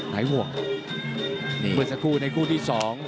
ไหนห่วงเหมือนสักคู่ในคู่ที่๒